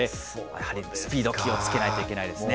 やはりスピード、気をつけないといけないですね。